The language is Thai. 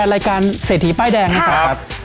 รายการเศรษฐีป้ายแดงนะครับ